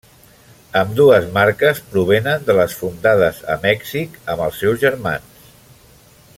Ambdues marques provenen de les fundades a Mèxic amb els seus germans.